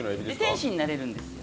天使になれるんですよ。